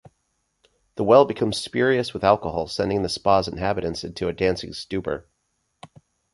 The well becomes spurious with alcohol, sending the spa's inhabitants into a dancing stupor.